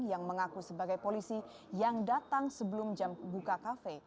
yang mengaku sebagai polisi yang datang sebelum jam buka kafe